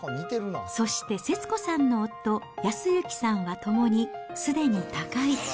そして節子さんの夫、恭行さんはともにすでに他界。